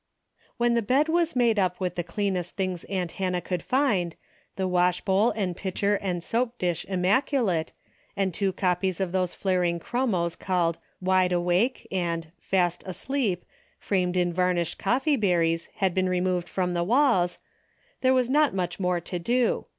When the bed was made up with the clean est things aunt Hannah could find, the wash bowl and pitcher and soap dish immaculate, and two copies of those flaring chromos called " Wide Awake " and " Fast Asleep " framed in varnished coffee berries had been removed from the walls, there was not much more to do.